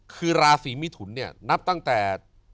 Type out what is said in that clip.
คือราศีมิถุนเนี่ยนับตั้งแต่